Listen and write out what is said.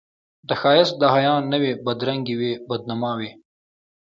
ته ښایست د حیا نه وې بدرنګي وې بد نما وې